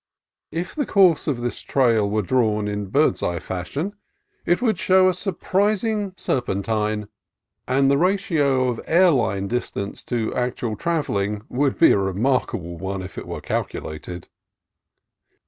If the course of this trail were drawn in bird's eye fashion it would show a surprising ser 196 CALIFORNIA COAST TRAILS pentine, and the ratio of air line distance to actual travelling would be a remarkable one if it were cal culated.